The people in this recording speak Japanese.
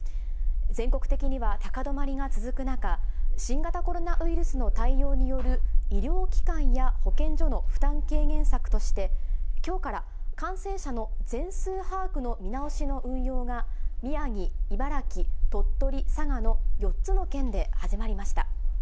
全国的には高止まりが続く中、新型コロナウイルスの対応による医療機関や保健所の負担軽減策として、きょうから感染者の全数把握の見直しの運用が、宮城、茨城、鳥取、佐賀の４つの県で始まりました。